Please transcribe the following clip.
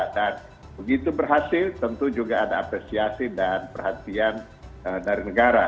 dan begitu berhasil tentu juga ada apresiasi dan perhatian dari negara